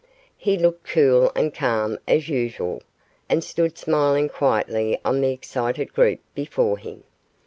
He looked cool and calm as usual, and stood smiling quietly on the excited group before him.